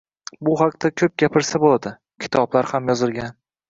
Bu haqda ko‘p gapirsa bo‘ladi, kitoblar ham yozilgan